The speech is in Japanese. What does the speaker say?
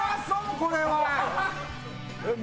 これは。